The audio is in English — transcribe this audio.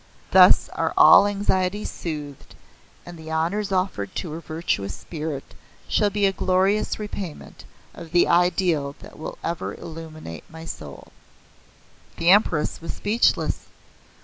Thus are all anxieties soothed, and the honours offered to her virtuous spirit shall be a glorious repayment of the ideal that will ever illuminate my soul." The Empress was speechless.